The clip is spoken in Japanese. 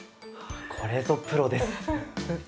これぞプロです！